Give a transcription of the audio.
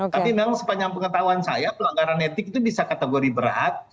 tapi memang sepanjang pengetahuan saya pelanggaran etik itu bisa kategori berat